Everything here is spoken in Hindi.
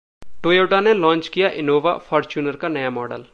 टोयोटा ने लॉन्च किया इनोवा, फॉर्च्यूनर का नया मॉडल